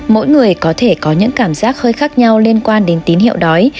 mỗi người có thể có những cảm giác hơi khác nhau liên quan đến tín hiệu đói